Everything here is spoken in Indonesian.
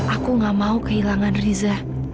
aku gak mau kehilangan riza